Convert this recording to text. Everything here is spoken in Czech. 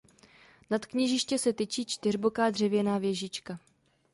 Nad kněžiště se tyčí čtyřboká dřevěná věžička.